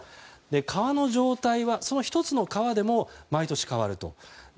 川の状態は１つの川でも毎年変わると。